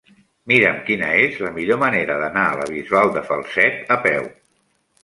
Mira'm quina és la millor manera d'anar a la Bisbal de Falset a peu.